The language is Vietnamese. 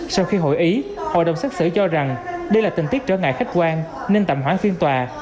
sau khi hội ý hội đồng xác xử cho rằng đây là tình tiết trở ngại khách quan nên tạm hoãn phiên tòa